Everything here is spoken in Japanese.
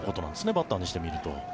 バッターにしてみると。